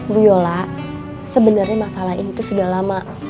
bu yola sebenarnya masalah ini sudah lama